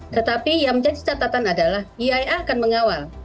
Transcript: tetapi yang menjadi catatan adalah ia akan mengawal